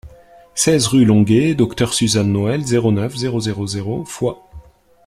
seize rue Longué Docteur Suzanne Noël, zéro neuf, zéro zéro zéro Foix